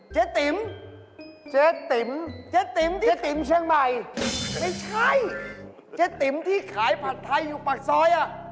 เจ๊ติ๋มที่ขายผัดไทยอยู่ปากซ้อย